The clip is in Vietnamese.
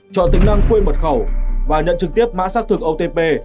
chọn tính năng quên mật khẩu và nhận trực tiếp mã xác thực otp